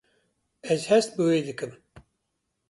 Ez hest bi wê dikim